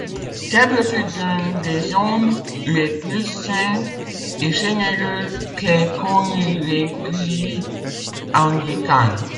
Keble fut d’un des hommes les plus saints et généreux qu’ait connus l’Église anglicane.